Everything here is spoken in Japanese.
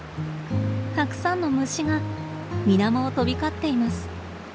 たくさんの虫が水面を飛び交っています。